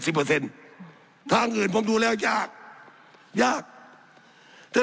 สับขาหลอกกันไปสับขาหลอกกันไป